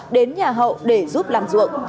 đến nhà hậu để giúp làm ruộng